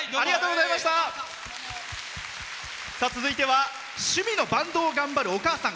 続いては趣味のバンドを頑張るお母さん。